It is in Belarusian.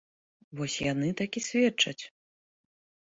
Вось яны так і сведчаць.